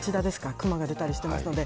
クマが出たりしてますので。